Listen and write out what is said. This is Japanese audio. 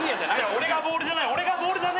俺がボールじゃねえおい！